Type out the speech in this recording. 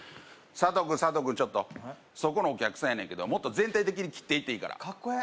サトウ君サトウ君ちょっとそこのお客さんやねんけどもっと全体的に切っていっていいからかっこえ